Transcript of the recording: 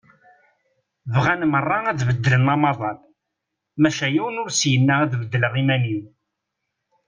Bɣan merra ad beddlen amaḍal, maca yiwen ur s-yenna ad beddleɣ iman-iw.